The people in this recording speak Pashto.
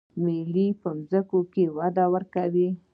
ملی په ځمکه کې وده کوي